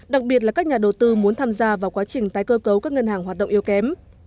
đặc biệt là các nhà đầu tư muốn tham gia vào quá trình tái cơ cấu các ngân hàng hoạt động yếu kém